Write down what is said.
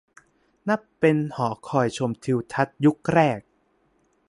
นับเป็นหอคอยชมทิวทัศน์ยุคแรก